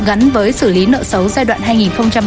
gắn với xử lý nợ số giai đoạn